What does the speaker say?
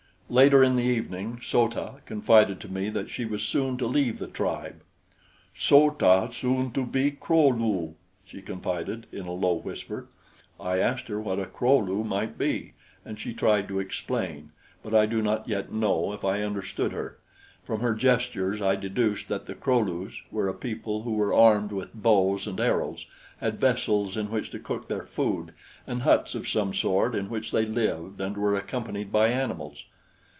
Later in the evening So ta confided to me that she was soon to leave the tribe. "So ta soon to be Kro lu," she confided in a low whisper. I asked her what a Kro lu might be, and she tried to explain, but I do not yet know if I understood her. From her gestures I deduced that the Kro lus were a people who were armed with bows and arrows, had vessels in which to cook their food and huts of some sort in which they lived, and were accompanied by animals.